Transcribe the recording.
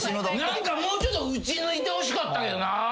何かもうちょっとうち抜いてほしかったけどな。